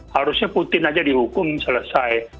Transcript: harusnya putin aja dihukum selesai